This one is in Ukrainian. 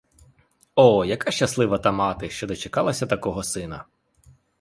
О, яка щаслива та мати, що дочекалася такого сина!